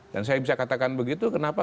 dan saya bisa katakan begitu kenapa